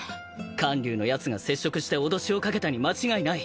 観柳のやつが接触して脅しをかけたに間違いない。